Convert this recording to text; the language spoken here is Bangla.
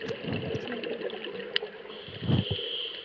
চিন্তা করো না, জান।